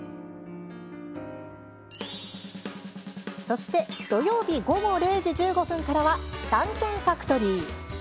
そして土曜日午後０時１５分からは「探検ファクトリー」。